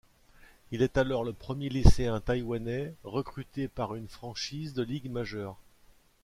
Il est alors le premier lycéen taïwanais recruté par une franchise de Ligue majeure.